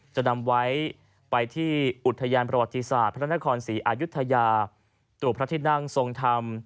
จะนำไว้ไปที่อุทยานประวัติศาสตร์พระนครศรีอายุทยาตัวพระที่นั่งทรงธรรม